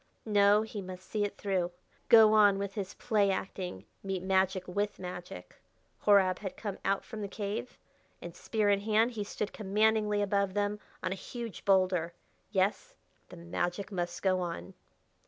No, he must see it through go on with his play acting meet magic with magic. Horab had come out from the cave, and spear in hand he stood commandingly above them on a huge boulder. Yes, the magic must go on.